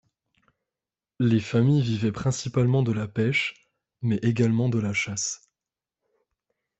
Les familles vivaient principalement de la pêche, mais également de la chasse.